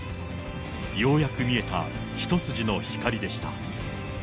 ようやく見えた一筋の光でした。